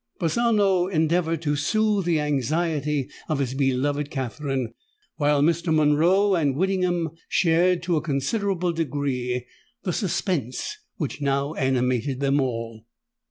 Bazzano endeavoured to soothe the anxiety of his beloved Katherine; while Mr. Monroe and Whittingham shared to a considerable degree the suspense which now animated them all.